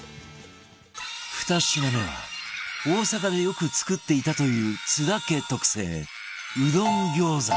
２品目は大阪でよく作っていたという津田家特製うどん餃子